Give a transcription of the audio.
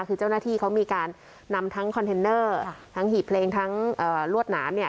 คือเจ้าหน้าที่เขามีการนำทั้งคอนเทนเนอร์ทั้งหีบเพลงทั้งลวดหนามเนี่ย